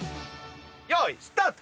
よーいスタート！